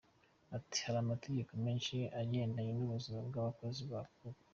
Ati″Hari amategeko menshi agendanye n’ubuzima bw’abakozi ku kazi.